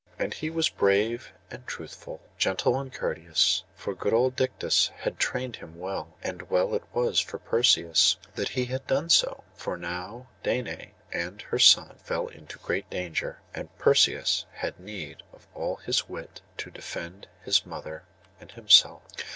And he was brave and truthful, gentle and courteous, for good old Dictys had trained him well; and well it was for Perseus that he had done so. For now Danae and her son fell into great danger, and Perseus had need of all his wit to defend his mother and himself.